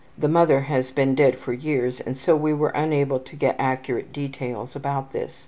The mother has been dead for years and so we were unable to get accurate details about this.